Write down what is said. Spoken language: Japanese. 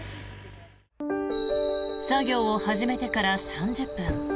作業を始めてから３０分。